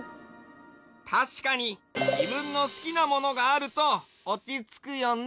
たしかにじぶんのすきなものがあるとおちつくよね。